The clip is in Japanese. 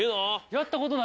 やったな！